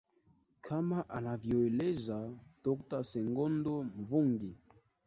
kama anavyoeleza dokta sengondo mvungi